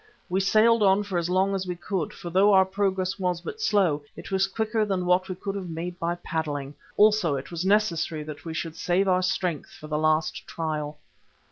We sailed on for as long as we could, for though our progress was but slow, it was quicker than what we could have made by paddling. Also it was necessary that we should save our strength for the last trial.